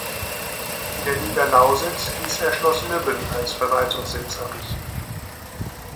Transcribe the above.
In der Niederlausitz ließ er Schloss Lübben als Verwaltungssitz errichten.